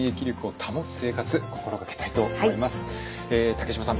竹島さん